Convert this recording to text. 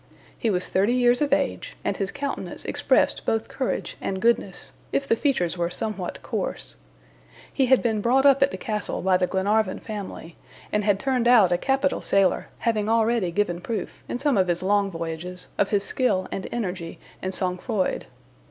He was thirty years of age, and his countenance expressed both courage and goodness, if the features were somewhat coarse. He had been brought up at the castle by the Glenarvan family, and had turned out a capital sailor, having already given proof, in some of his long voyages, of his skill and energy and sang froid.